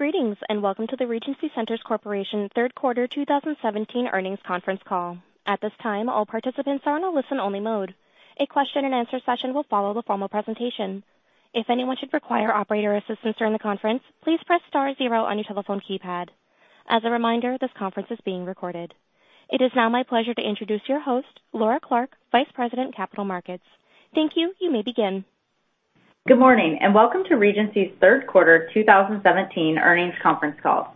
Greetings. Welcome to the Regency Centers Corporation third quarter 2017 earnings conference call. At this time, all participants are on a listen-only mode. A question-and-answer session will follow the formal presentation. If anyone should require operator assistance during the conference, please press star zero on your telephone keypad. As a reminder, this conference is being recorded. It is now my pleasure to introduce your host, Laura Clark, Vice President, Capital Markets. Thank you. You may begin. Good morning. Welcome to Regency's third quarter 2017 earnings conference call.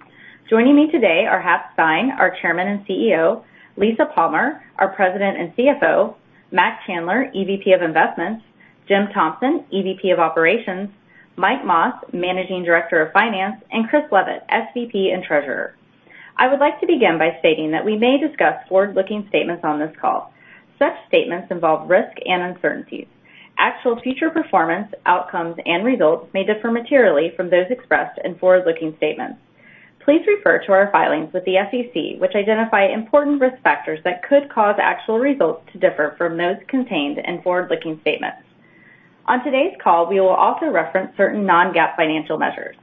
Joining me today are Hap Stein, our Chairman and CEO, Lisa Palmer, our President and CFO, Mac Chandler, EVP of Investments, Jim Thompson, EVP of Operations, Mike Mas, Managing Director of Finance, and Chris Leavitt, SVP and Treasurer. I would like to begin by stating that we may discuss forward-looking statements on this call. Such statements involve risk and uncertainties. Actual future performance, outcomes, and results may differ materially from those expressed in forward-looking statements. Please refer to our filings with the SEC, which identify important risk factors that could cause actual results to differ from those contained in forward-looking statements. On today's call, we will also reference certain non-GAAP financial measures.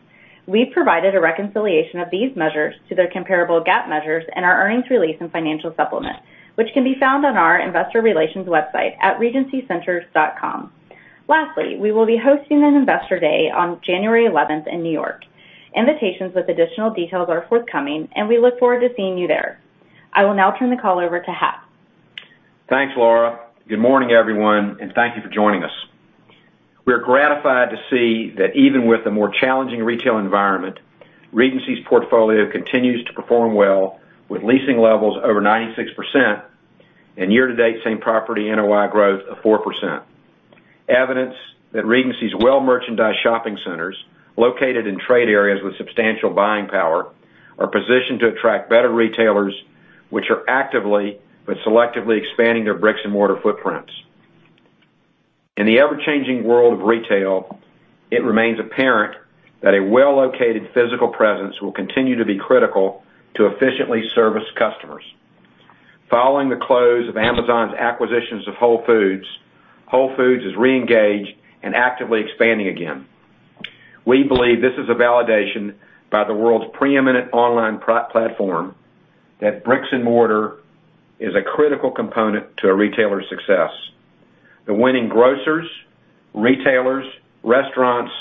We've provided a reconciliation of these measures to their comparable GAAP measures in our earnings release and financial supplement, which can be found on our investor relations website at regencycenters.com. Lastly, we will be hosting an investor day on January 11th in New York. Invitations with additional details are forthcoming. We look forward to seeing you there. I will now turn the call over to Hap. Thanks, Laura. Good morning, everyone. Thank you for joining us. We are gratified to see that even with a more challenging retail environment, Regency's portfolio continues to perform well with leasing levels over 96% and year-to-date Same-Property Net Operating Income growth of 4%. Evidence that Regency's well-merchandised shopping centers, located in trade areas with substantial buying power, are positioned to attract better retailers, which are actively but selectively expanding their bricks-and-mortar footprints. In the ever-changing world of retail, it remains apparent that a well-located physical presence will continue to be critical to efficiently service customers. Following the close of Amazon's acquisitions of Whole Foods, Whole Foods is re-engaged and actively expanding again. We believe this is a validation by the world's preeminent online platform that bricks-and-mortar is a critical component to a retailer's success. The winning grocers, retailers, restaurants,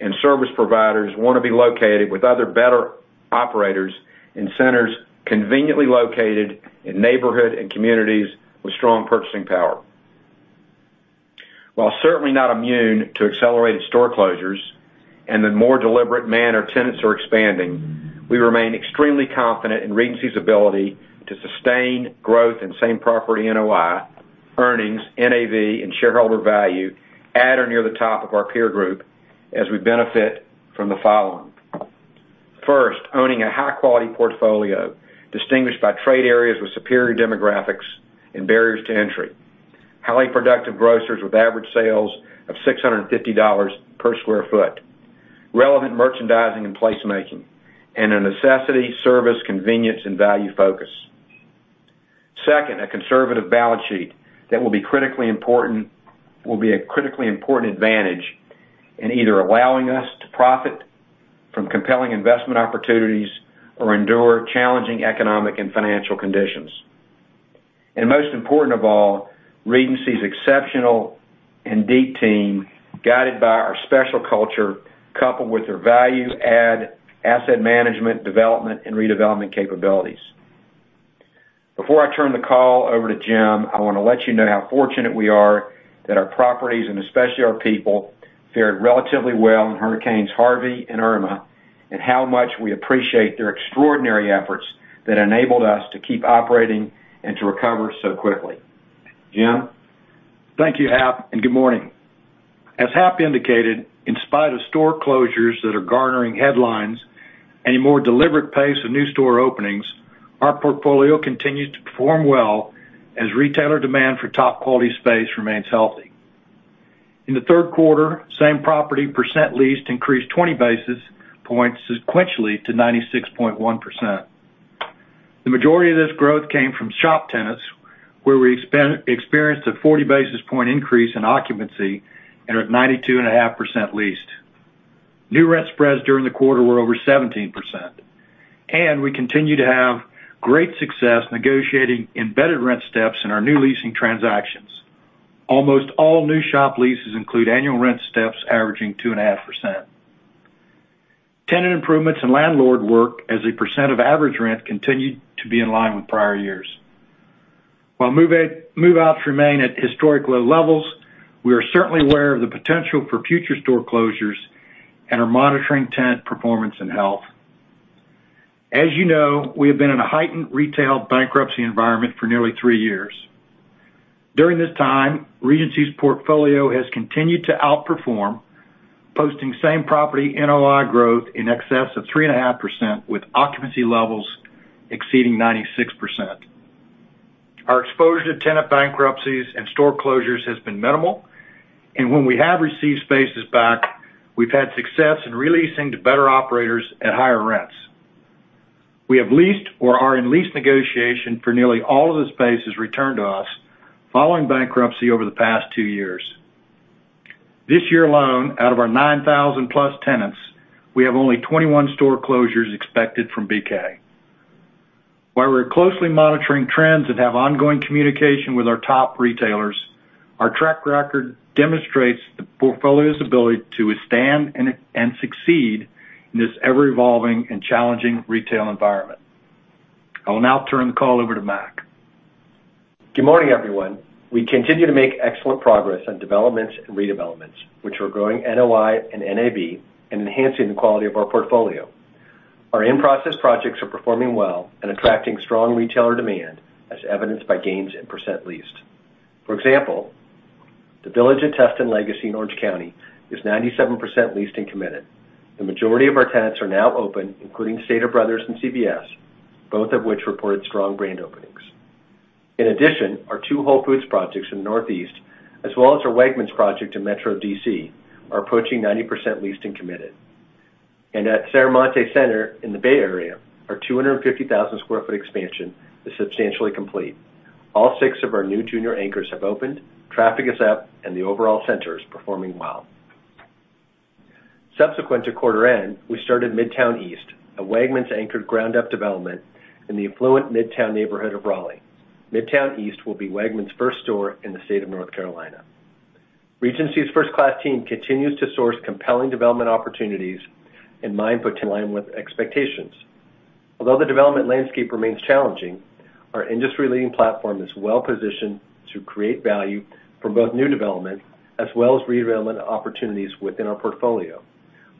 and service providers want to be located with other better operators in centers conveniently located in neighborhood and communities with strong purchasing power. While certainly not immune to accelerated store closures and the more deliberate manner tenants are expanding, we remain extremely confident in Regency's ability to sustain growth in Same-Property NOI, earnings, NAV, and shareholder value at or near the top of our peer group as we benefit from the following. First, owning a high-quality portfolio distinguished by trade areas with superior demographics and barriers to entry, highly productive grocers with average sales of $650 per square foot, relevant merchandising and placemaking, and a necessity, service, convenience, and value focus. Second, a conservative balance sheet that will be a critically important advantage in either allowing us to profit from compelling investment opportunities or endure challenging economic and financial conditions. Most important of all, Regency's exceptional and deep team, guided by our special culture, coupled with their value-add asset management, development, and redevelopment capabilities. Before I turn the call over to Jim, I want to let you know how fortunate we are that our properties, and especially our people, fared relatively well in hurricanes Harvey and Irma, and how much we appreciate their extraordinary efforts that enabled us to keep operating and to recover so quickly. Jim? Thank you, Hap, and good morning. As Hap indicated, in spite of store closures that are garnering headlines and a more deliberate pace of new store openings, our portfolio continues to perform well as retailer demand for top-quality space remains healthy. In the third quarter, Same-Property percent leased increased 20 basis points sequentially to 96.1%. The majority of this growth came from shop tenants, where we experienced a 40 basis point increase in occupancy and are at 92.5% leased. New rent spreads during the quarter were over 17%. We continue to have great success negotiating embedded rent steps in our new leasing transactions. Almost all new shop leases include annual rent steps averaging 2.5%. Tenant improvements and landlord work as a percent of average rent continued to be in line with prior years. While move-outs remain at historically low levels, we are certainly aware of the potential for future store closures and are monitoring tenant performance and health. As you know, we have been in a heightened retail bankruptcy environment for nearly three years. During this time, Regency's portfolio has continued to outperform, posting Same-Property NOI growth in excess of 3.5% with occupancy levels exceeding 96%. Our exposure to tenant bankruptcies and store closures has been minimal, and when we have received spaces back, we've had success in re-leasing to better operators at higher rents. We have leased or are in lease negotiation for nearly all of the spaces returned to us following bankruptcy over the past two years. This year alone, out of our 9,000-plus tenants, we have only 21 store closures expected from BK. While we're closely monitoring trends and have ongoing communication with our top retailers, our track record demonstrates the portfolio's ability to withstand and succeed in this ever-evolving and challenging retail environment. I will now turn the call over to Mac. Good morning, everyone. We continue to make excellent progress on developments and redevelopments, which are growing NOI and NAV and enhancing the quality of our portfolio. Our in-process projects are performing well and attracting strong retailer demand, as evidenced by gains in percent leased. For example, The Village at Tustin Legacy in Orange County is 97% leased and committed. The majority of our tenants are now open, including Stater Bros. and CVS, both of which reported strong grand openings. In addition, our two Whole Foods projects in the Northeast, as well as our Wegmans project in Metro D.C., are approaching 90% leased and committed. At Serramonte Center in the Bay Area, our 250,000 square foot expansion is substantially complete. All six of our new junior anchors have opened, traffic is up, and the overall center is performing well. Subsequent to quarter end, we started Midtown East, a Wegmans-anchored ground-up development in the affluent Midtown neighborhood of Raleigh. Midtown East will be Wegmans' first store in the state of North Carolina. Regency's first-class team continues to source compelling development opportunities in line with expectations. Although the development landscape remains challenging, our industry-leading platform is well positioned to create value from both new development as well as redevelopment opportunities within our portfolio.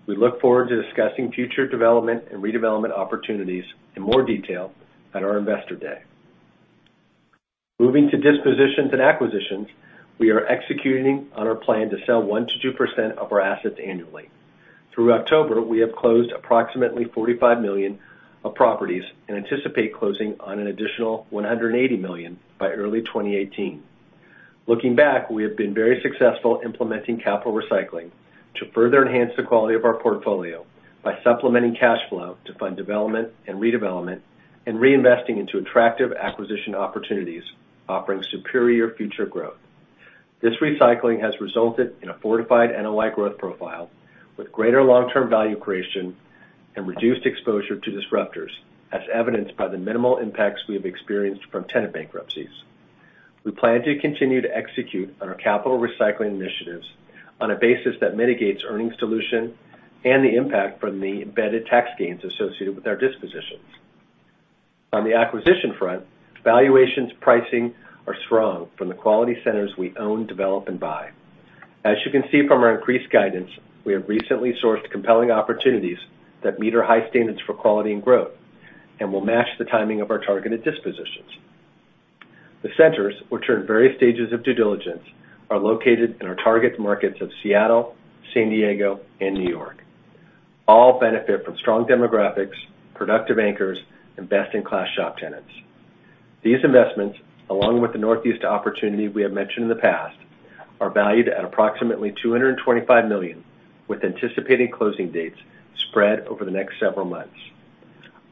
We look forward to discussing future development and redevelopment opportunities in more detail at our investor day. Moving to dispositions and acquisitions, we are executing on our plan to sell 1%-2% of our assets annually. Through October, we have closed approximately $45 million of properties and anticipate closing on an additional $180 million by early 2018. Looking back, we have been very successful implementing capital recycling to further enhance the quality of our portfolio by supplementing cash flow to fund development and redevelopment and reinvesting into attractive acquisition opportunities offering superior future growth. This recycling has resulted in a fortified NOI growth profile with greater long-term value creation and reduced exposure to disruptors, as evidenced by the minimal impacts we have experienced from tenant bankruptcies. We plan to continue to execute on our capital recycling initiatives on a basis that mitigates earnings dilution and the impact from the embedded tax gains associated with our dispositions. On the acquisition front, valuations pricing are strong from the quality centers we own, develop, and buy. As you can see from our increased guidance, we have recently sourced compelling opportunities that meet our high standards for quality and growth and will match the timing of our targeted dispositions. The centers, which are in various stages of due diligence, are located in our target markets of Seattle, San Diego, and New York. All benefit from strong demographics, productive anchors, and best-in-class shop tenants. These investments, along with the Northeast opportunity we have mentioned in the past, are valued at approximately $225 million, with anticipated closing dates spread over the next several months.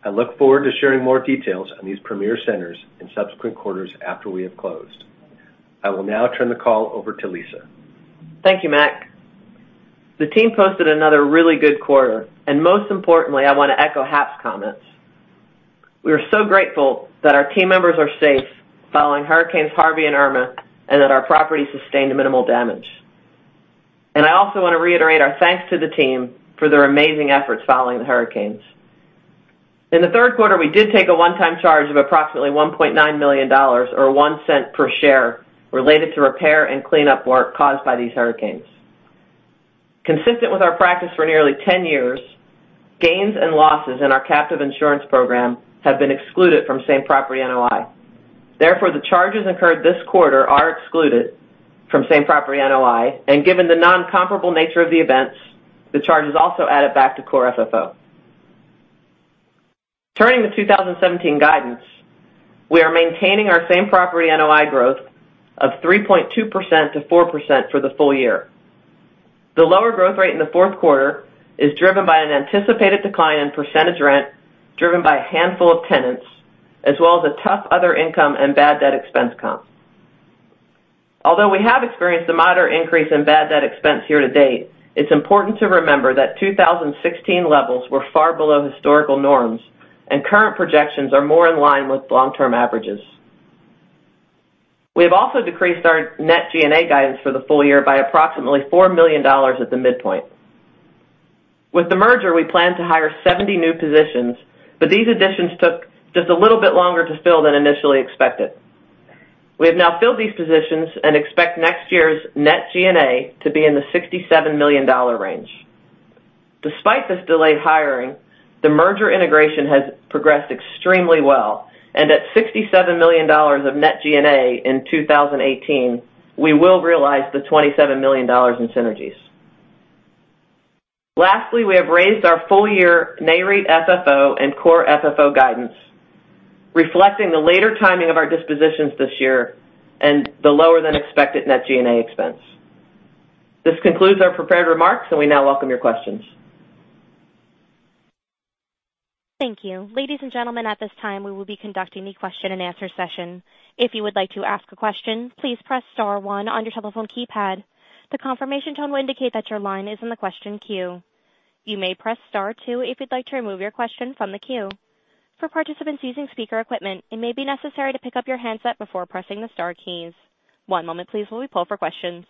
I look forward to sharing more details on these premier centers in subsequent quarters after we have closed. I will now turn the call over to Lisa. Thank you, Mack. The team posted another really good quarter. Most importantly, I want to echo Hap's comments. We are so grateful that our team members are safe following hurricanes Harvey and Irma, and that our property sustained minimal damage. I also want to reiterate our thanks to the team for their amazing efforts following the hurricanes. In the third quarter, we did take a one-time charge of approximately $1.9 million, or $0.01 per share, related to repair and cleanup work caused by these hurricanes. Consistent with our practice for nearly 10 years, gains and losses in our captive insurance program have been excluded from Same-Property NOI. Therefore, the charges incurred this quarter are excluded from Same-Property NOI, and given the non-comparable nature of the events, the charges also added back to Core FFO. Turning to 2017 guidance, we are maintaining our Same-Property NOI growth of 3.2%-4% for the full year. The lower growth rate in the fourth quarter is driven by an anticipated decline in percentage rent, driven by a handful of tenants, as well as a tough other income and bad debt expense comp. Although we have experienced a moderate increase in bad debt expense here to date, it's important to remember that 2016 levels were far below historical norms, and current projections are more in line with long-term averages. We have also decreased our net G&A guidance for the full year by approximately $4 million at the midpoint. With the merger, we plan to hire 70 new positions, but these additions took just a little bit longer to fill than initially expected. We have now filled these positions and expect next year's net G&A to be in the $67 million range. Despite this delayed hiring, the merger integration has progressed extremely well. At $67 million of net G&A in 2018, we will realize the $27 million in synergies. Lastly, we have raised our full-year NAREIT FFO and Core FFO guidance, reflecting the later timing of our dispositions this year and the lower-than-expected net G&A expense. This concludes our prepared remarks, and we now welcome your questions. Thank you. Ladies and gentlemen, at this time, we will be conducting the question and answer session. If you would like to ask a question, please press star one on your telephone keypad. The confirmation tone will indicate that your line is in the question queue. You may press star two if you'd like to remove your question from the queue. For participants using speaker equipment, it may be necessary to pick up your handset before pressing the star keys. One moment please while we poll for questions.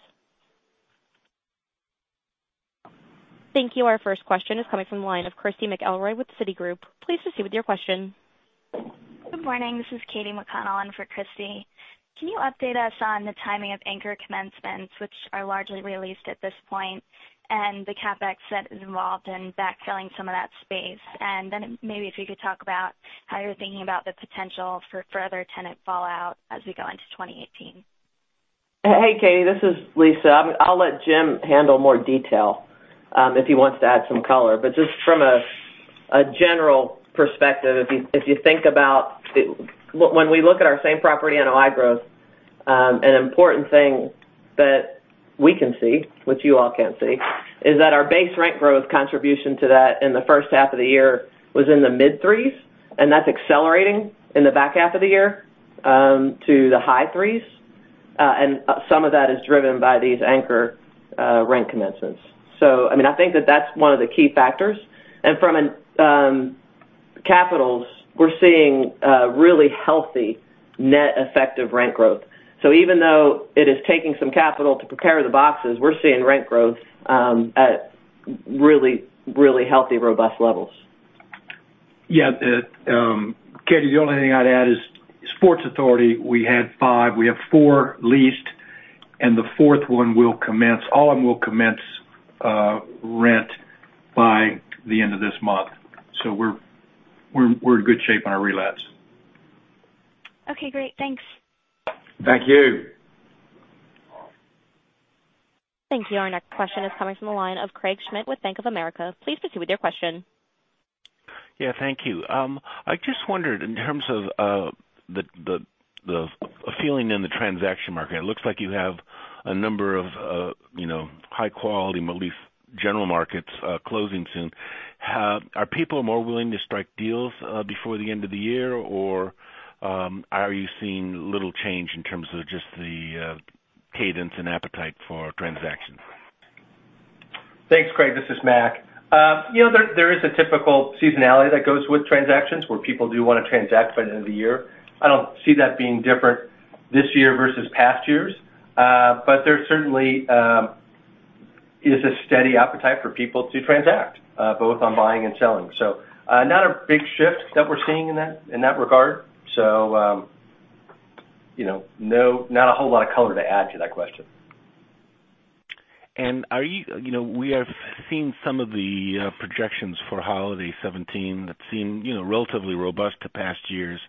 Thank you. Our first question is coming from the line of Christy McElroy with Citigroup. Please proceed with your question. Good morning. This is Katie McConnell in for Christy. Can you update us on the timing of anchor commencements, which are largely released at this point, and the CapEx that is involved in backfilling some of that space? Then maybe if you could talk about how you're thinking about the potential for further tenant fallout as we go into 2018. Hey, Katie, this is Lisa. I'll let Jim handle more detail, if he wants to add some color. Just from a general perspective, when we look at our Same-Property Net Operating Income growth, an important thing that we can see, which you all can't see, is that our base rent growth contribution to that in the first half of the year was in the mid threes, and that's accelerating in the back half of the year, to the high threes. Some of that is driven by these anchor rent commencements. I think that's one of the key factors. From a capitals, we're seeing a really healthy net effective rent growth. Even though it is taking some capital to prepare the boxes, we're seeing rent growth at really healthy, robust levels. Katie, the only thing I'd add is Sports Authority, we had five. We have four leased, and all of them will commence rent by the end of this month. We're in good shape on our re-lets. Okay, great. Thanks. Thank you. Thank you. Our next question is coming from the line of Craig Schmidt with Bank of America. Please proceed with your question. Yeah, thank you. I just wondered in terms of the feeling in the transaction market, it looks like you have a number of high quality, mostly general markets, closing soon. Are people more willing to strike deals before the end of the year, or are you seeing little change in terms of just the cadence and appetite for transactions? Thanks, Craig. This is Mac. There is a typical seasonality that goes with transactions, where people do want to transact by the end of the year. I don't see that being different this year versus past years. There certainly is a steady appetite for people to transact, both on buying and selling. Not a big shift that we're seeing in that regard. Not a whole lot of color to add to that question. We have seen some of the projections for holiday 2017 that seem relatively robust to past years.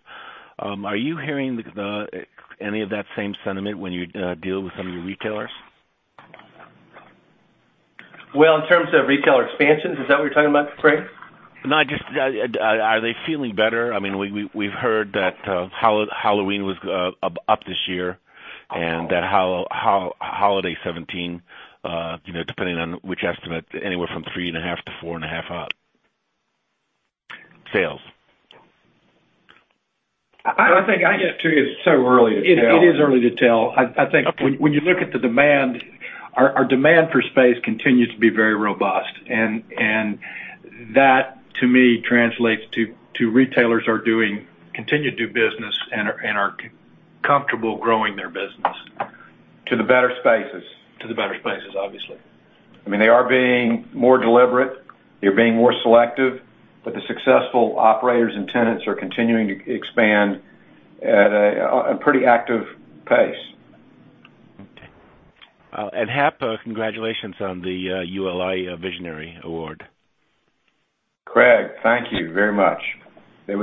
Are you hearing any of that same sentiment when you deal with some of your retailers? Well, in terms of retailer expansions, is that what you're talking about, Craig? No, just are they feeling better? We've heard that Halloween was up this year. That holiday 2017, depending on which estimate, anywhere from three and a half to four and a half up. Sales. I think it's so early to tell. It is early to tell. Okay. I think when you look at the demand, our demand for space continues to be very robust. That, to me, translates to retailers continue to do business and are comfortable growing their business. To the better spaces. To the better spaces, obviously. They are being more deliberate. They're being more selective, the successful operators and tenants are continuing to expand at a pretty active pace. Okay. Hap, congratulations on the ULI Visionary Award. Craig, thank you very much. As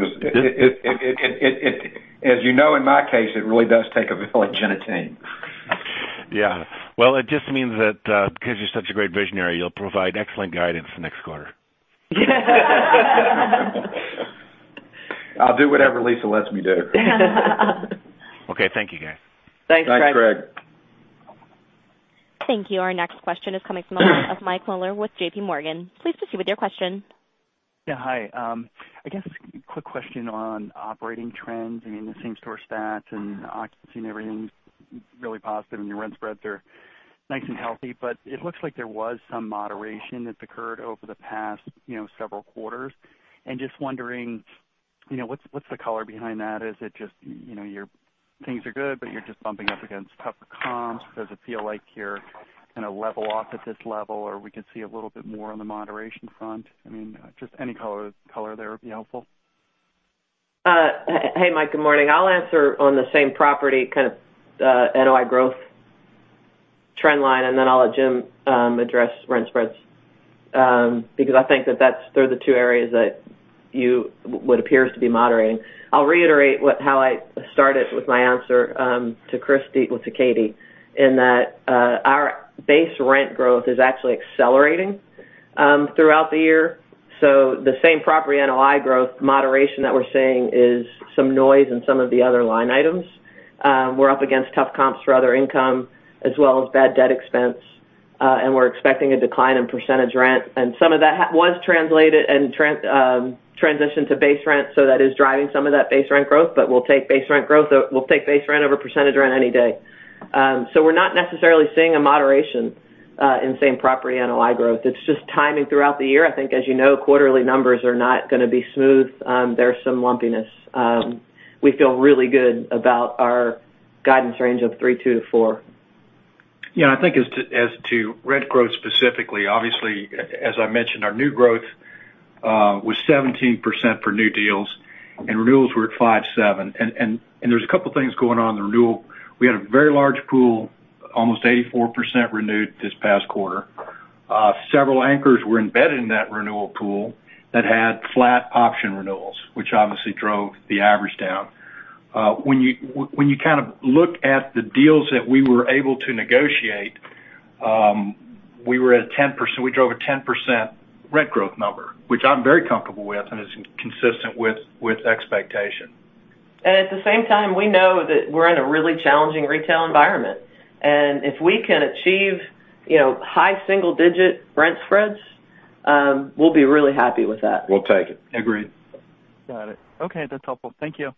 you know, in my case, it really does take a village and a team. Yeah. Well, it just means that because you're such a great visionary, you'll provide excellent guidance next quarter. I'll do whatever Lisa lets me do. Okay. Thank you, guys. Thanks, Craig. Thanks, Craig. Thank you. Our next question is coming from the line of Mike Miller with J.P. Morgan. Please proceed with your question. Yeah. Hi. I guess quick question on operating trends. Same store stats and occupancy and everything's really positive, and your rent spreads are nice and healthy, but it looks like there was some moderation that's occurred over the past several quarters. Just wondering, what's the color behind that? Is it just your things are good, but you're just bumping up against tougher comps? Does it feel like you're in a level off at this level, or we could see a little bit more on the moderation front? Just any color there would be helpful. Hey, Mike, good morning. I'll answer on the same property kind of NOI growth trend line, and then I'll let Jim address rent spreads. I think that they're the two areas that what appears to be moderating. I'll reiterate how I started with my answer to Christy, well, to Katie, in that our base rent growth is actually accelerating throughout the year. The same property NOI growth moderation that we're seeing is some noise in some of the other line items. We're up against tough comps for other income as well as bad debt expense. We're expecting a decline in percentage rent, and some of that was translated and transitioned to base rent, that is driving some of that base rent growth, but we'll take base rent over percentage rent any day. We're not necessarily seeing a moderation in same property NOI growth. It's just timing throughout the year. I think, as you know, quarterly numbers are not going to be smooth. There's some lumpiness. We feel really good about our guidance range of 3.2%-4%. Yeah. I think as to rent growth specifically, obviously, as I mentioned, our new growth was 17% for new deals and renewals were at 5.7%. There's a couple of things going on in the renewal. We had a very large pool, almost 84% renewed this past quarter. Several anchors were embedded in that renewal pool that had flat option renewals, which obviously drove the average down. When you look at the deals that we were able to negotiate, we drove a 10% rent growth number, which I'm very comfortable with and is consistent with expectation. At the same time, we know that we're in a really challenging retail environment, and if we can achieve high single-digit rent spreads, we'll be really happy with that. We'll take it. Agreed. Got it. Okay, that's helpful. Thank you.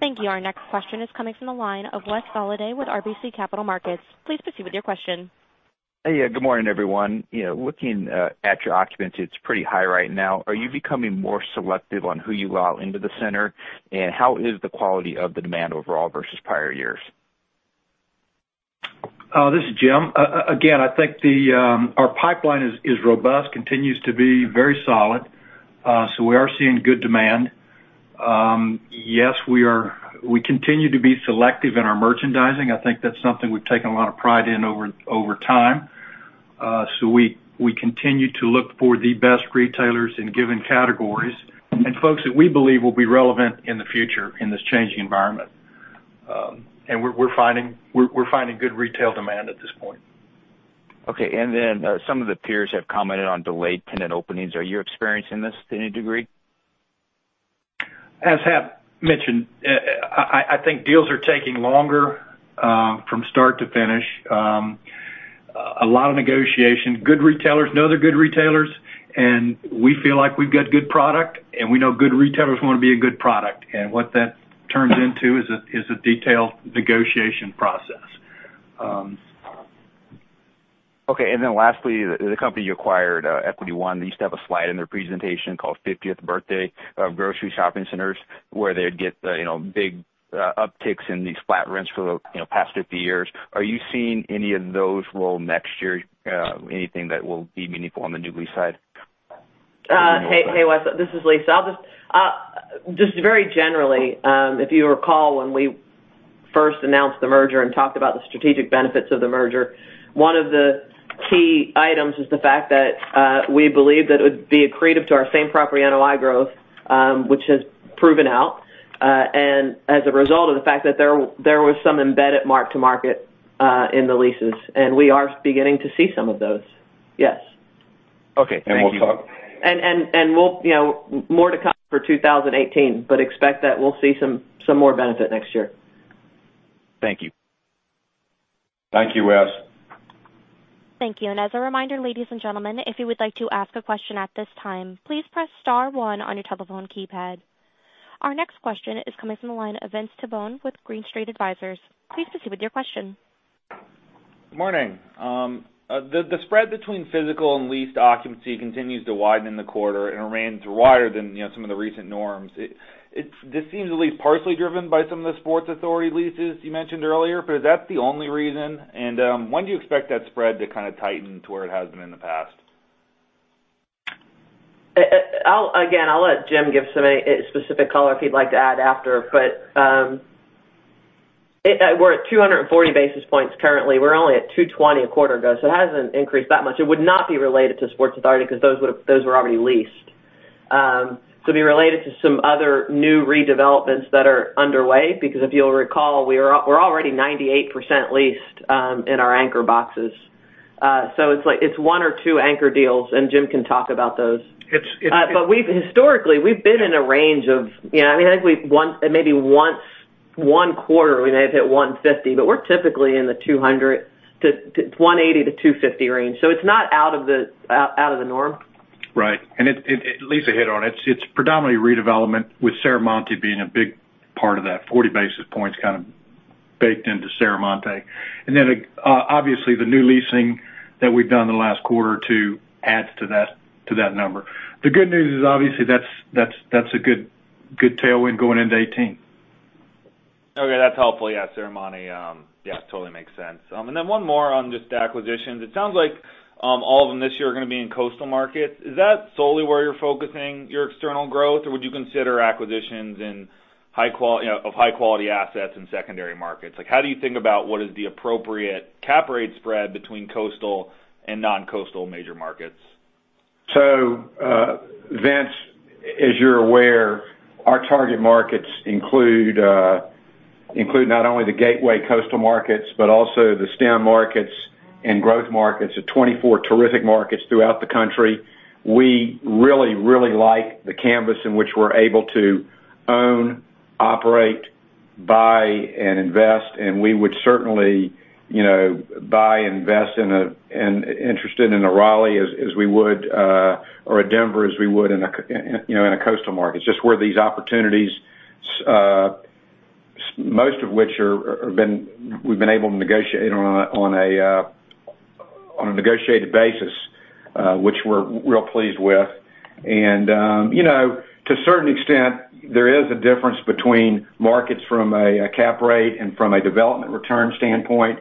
Thank you. Our next question is coming from the line of Wes Golladay with RBC Capital Markets. Please proceed with your question. Hey. Good morning, everyone. Looking at your occupancy, it's pretty high right now. Are you becoming more selective on who you allow into the center? How is the quality of the demand overall versus prior years? This is Jim. Again, I think our pipeline is robust, continues to be very solid. We are seeing good demand. Yes, we continue to be selective in our merchandising. I think that's something we've taken a lot of pride in over time. We continue to look for the best retailers in given categories and folks that we believe will be relevant in the future in this changing environment. We're finding good retail demand at this point. Okay. Some of the peers have commented on delayed tenant openings. Are you experiencing this to any degree? As Hap mentioned, I think deals are taking longer from start to finish. A lot of negotiation. Good retailers know they're good retailers, and we feel like we've got good product, and we know good retailers want to be a good product. What that turns into is a detailed negotiation process. Okay. Lastly, the company you acquired, Equity One, they used to have a slide in their presentation called 50th Birthday of Grocery Shopping Centers, where they'd get big upticks in these flat rents for the past 50 years. Are you seeing any of those roll next year, anything that will be meaningful on the new lease side? Hey, Wes. This is Lisa. Just very generally, if you recall, when we first announced the merger and talked about the strategic benefits of the merger, one of the key items is the fact that we believe that it would be accretive to our Same-Property NOI growth, which has proven out. As a result of the fact that there was some embedded mark to market in the leases, we are beginning to see some of those. Yes. Okay. Thank you. We'll talk. More to come for 2018, but expect that we'll see some more benefit next year. Thank you. Thank you, Wes. Thank you. As a reminder, ladies and gentlemen, if you would like to ask a question at this time, please press star one on your telephone keypad. Our next question is coming from the line of Vince Tabone with Green Street Advisors. Please proceed with your question. Morning. The spread between physical and leased occupancy continues to widen in the quarter and remains wider than some of the recent norms. This seems at least partially driven by some of the Sports Authority leases you mentioned earlier, is that the only reason? When do you expect that spread to tighten to where it has been in the past? I'll let Jim give some specific color if he'd like to add after, but we're at 240 basis points currently. We were only at 220 a quarter ago, so it hasn't increased that much. It would not be related to Sports Authority because those were already leased. To be related to some other new redevelopments that are underway, because if you'll recall, we're already 98% leased in our anchor boxes. It's one or two anchor deals, and Jim can talk about those. It's- Historically, we've been in a range of I think maybe one quarter, we may have hit 150, but we're typically in the 180 to 250 range. It's not out of the norm. Right. Lisa hit on it. It's predominantly redevelopment with Serramonte being a big part of that. 40 basis points kind of baked into Serramonte. Obviously, the new leasing that we've done in the last quarter or two adds to that number. The good news is obviously that's a good tailwind going into 2018. Okay. That's helpful. Yeah, Serramonte. Yeah, totally makes sense. One more on just acquisitions. It sounds like all of them this year are going to be in coastal markets. Is that solely where you're focusing your external growth, or would you consider acquisitions of high-quality assets in secondary markets? How do you think about what is the appropriate cap rate spread between coastal and non-coastal major markets? Vince, as you're aware, our target markets include not only the gateway coastal markets, but also the STEM markets and growth markets, are 24 terrific markets throughout the country. We really, really like the canvas in which we're able to own, operate, buy, and invest, and we would certainly buy, invest, and interested in a Raleigh or a Denver as we would in a coastal market. Just where these opportunities, most of which we've been able to negotiate on a negotiated basis, which we're real pleased with. To a certain extent, there is a difference between markets from a cap rate and from a development return standpoint.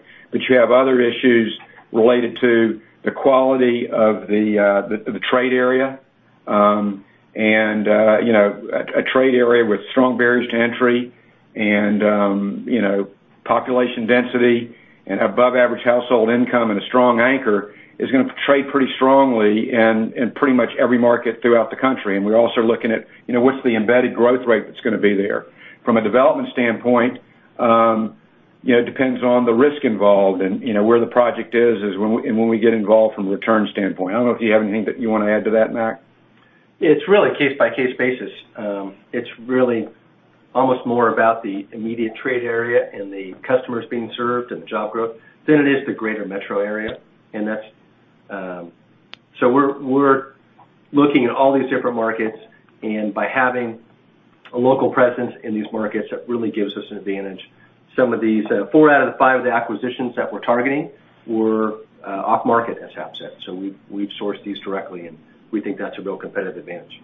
You have other issues related to the quality of the trade area. A trade area with strong barriers to entry and population density and above average household income and a strong anchor is going to trade pretty strongly in pretty much every market throughout the country. We're also looking at what's the embedded growth rate that's going to be there. From a development standpoint, it depends on the risk involved and where the project is, and when we get involved from a return standpoint. I don't know if you have anything that you want to add to that, Mac. It's really case-by-case basis. It's really almost more about the immediate trade area and the customers being served and the job growth than it is the greater metro area. We're looking at all these different markets, and by having a local presence in these markets, that really gives us an advantage. Some of these, four out of the five of the acquisitions that we're targeting, were off-market, as Hap said. We've sourced these directly, and we think that's a real competitive advantage.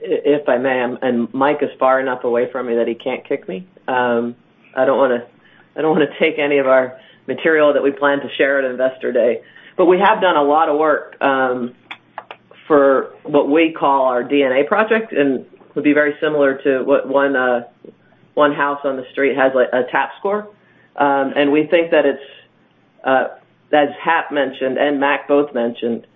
If I may, Mike is far enough away from me that he can't kick me. I don't want to take any of our material that we plan to share at Investor Day. We have done a lot of work for what we call our DNA project, and it would be very similar to what one house on the street has, like a TAPS score. We think that as Hap mentioned, and Mac both mentioned,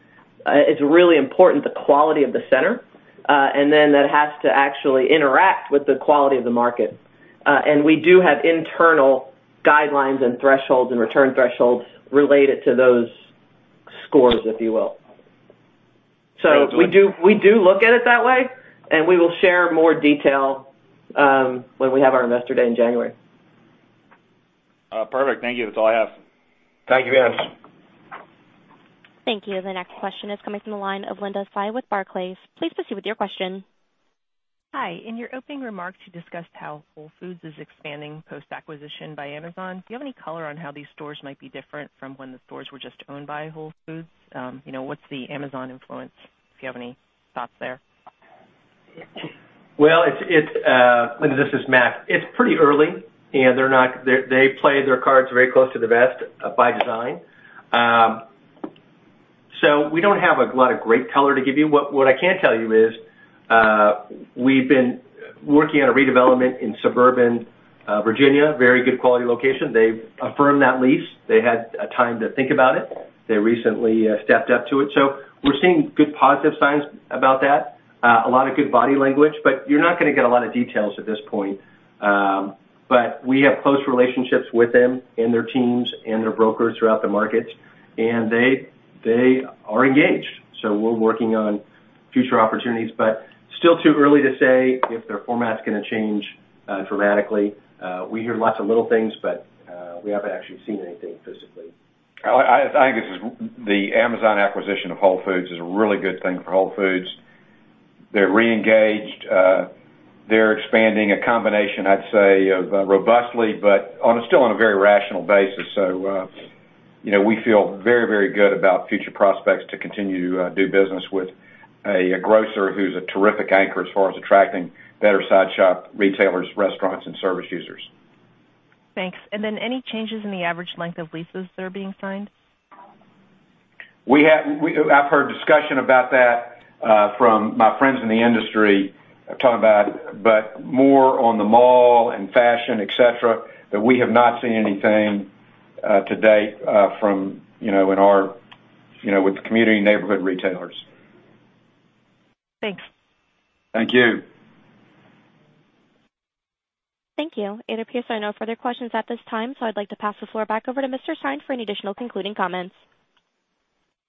it's really important, the quality of the center, and then that has to actually interact with the quality of the market. We do have internal guidelines and thresholds and return thresholds related to those scores, if you will. We do look at it that way, and we will share more detail when we have our Investor Day in January. Perfect. Thank you. That's all I have. Thank you, guys. Thank you. The next question is coming from the line of Linda Tsai with Barclays. Please proceed with your question. Hi. In your opening remarks, you discussed how Whole Foods is expanding post-acquisition by Amazon. Do you have any color on how these stores might be different from when the stores were just owned by Whole Foods? What's the Amazon influence? Do you have any thoughts there? Linda, this is Mac. It's pretty early. They play their cards very close to the vest by design. We don't have a lot of great color to give you. What I can tell you is we've been working on a redevelopment in suburban Virginia, very good quality location. They've affirmed that lease. They had time to think about it. They recently stepped up to it. We're seeing good positive signs about that. A lot of good body language, but you're not going to get a lot of details at this point. We have close relationships with them and their teams and their brokers throughout the markets, and they are engaged. We're working on future opportunities, but still too early to say if their format's going to change dramatically. We hear lots of little things, but we haven't actually seen anything physically. I think the Amazon acquisition of Whole Foods is a really good thing for Whole Foods. They're reengaged. They're expanding a combination, I'd say, of robustly, but still on a very rational basis. We feel very, very good about future prospects to continue to do business with a grocer who's a terrific anchor as far as attracting better side shop retailers, restaurants, and service users. Thanks. Any changes in the average length of leases that are being signed? I've heard discussion about that from my friends in the industry talking about, but more on the mall and fashion, et cetera, but we have not seen anything to date with the community neighborhood retailers. Thanks. Thank you. Thank you. It appears there are no further questions at this time, so I'd like to pass the floor back over to Mr. Stein for any additional concluding comments.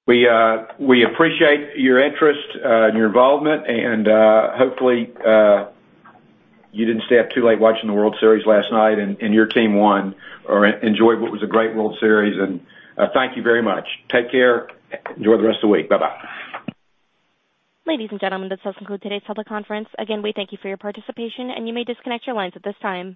We appreciate your interest and your involvement, and hopefully you didn't stay up too late watching the World Series last night and your team won or enjoyed what was a great World Series. Thank you very much. Take care. Enjoy the rest of the week. Bye-bye. Ladies and gentlemen, this does conclude today's teleconference. Again, we thank you for your participation, and you may disconnect your lines at this time.